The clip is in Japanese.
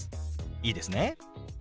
いいですね？